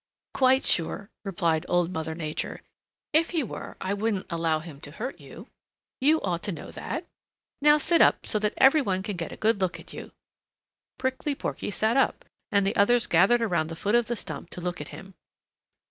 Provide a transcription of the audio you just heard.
"Quite sure," replied Old Mother Nature. "If he were I wouldn't allow him to hurt you. You ought to know that. Now sit up so that every one can get a good look at you." Prickly Porky sat up, and the others gathered around the foot of the stump to look at him.